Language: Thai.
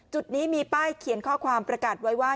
จุดนี้มีป้ายเขียนข้อความประกาศไว้ว่า